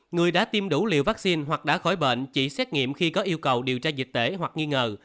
người đã tiêm đủ liều vaccine hoặc đã khỏi bệnh chỉ xét nghiệm khi có yêu cầu điều tra dịch tễ hoặc nghi ngờ